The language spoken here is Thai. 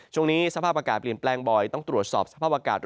ช่วงนี้สภาพอากาศเปลี่ยนแปลงบ่อยต้องตรวจสอบสภาพอากาศ